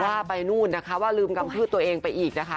ว่าไปนู่นนะคะว่าลืมกำพืชตัวเองไปอีกนะคะ